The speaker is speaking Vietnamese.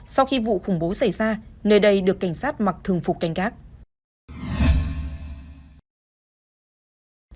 sau khi vụ khủng bố xảy ra nơi đây được cảnh sát mặc thường phục canh gác